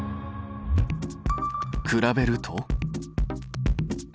比べると。